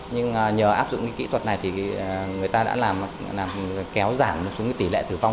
nhưng nhờ áp dụng kỹ thuật này thì người ta đã làm kéo giảm một xuống tỷ lệ tử vong